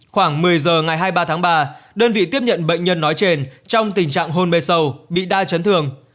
khoảng một mươi giờ ngày hai mươi ba tháng ba đơn vị tiếp nhận bệnh nhân nói trên trong tình trạng hôn mê sâu bị đa chấn thương